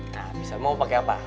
nah bisa mau pakai apa